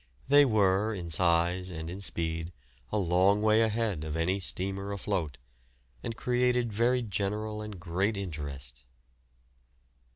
They were in size and in speed a long way ahead of any steamer afloat, and created very general and great interest.